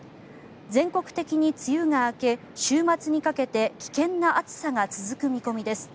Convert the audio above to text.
全国的に梅雨が明け週末にかけて危険な暑さが続く見込みです。